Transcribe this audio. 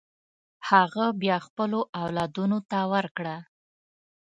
هغه بیا خپلو اولادونو ته ورکړه.